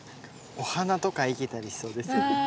お花とか生けたりしそうですよね。